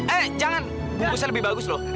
eh jangan bungkusnya lebih bagus loh